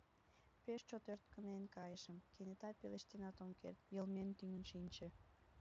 Пеш чот ӧрткынен кайышым, кенета пелештенат ом керт — йылмем тӱҥын шинче.